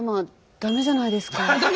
駄目じゃないです！